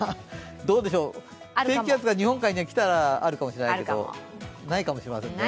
どうでしょう、低気圧が日本海に来たらあるかもしれないけとないかもしれませんね。